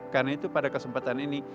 karena itu pada kesempatan ini